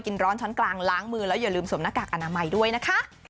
ร้อนชั้นกลางล้างมือแล้วอย่าลืมสวมหน้ากากอนามัยด้วยนะคะ